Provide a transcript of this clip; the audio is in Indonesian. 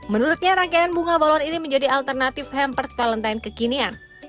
menurutnya rangkaian bunga balon ini menjadi alternatif hampers valentine kekinian